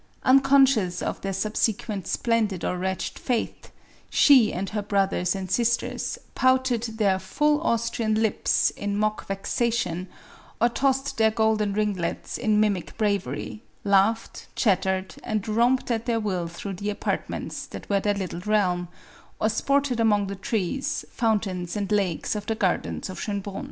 Unconscious of their subsequent splendid or wretched fate, she and her brothers and sisters, pouted their " full Austrian lips" in mock vexation, or tossed their golden ringlets in mimic bravery, laughed, chat tered, and romped at their will through the apartments that were their little realm, or sported among the trees, fountains and lakes of the gardens of Schoenbrun.